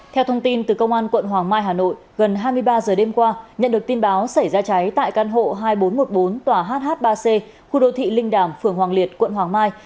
theo thông tin từ công an quận hoàng mai hà nội gần hai mươi ba giờ đêm qua nhận được tin báo xảy ra cháy tại căn hộ hai nghìn bốn trăm một mươi bốn tòa hh ba c khu đô thị linh đàm phường hoàng liệt quận hoàng mai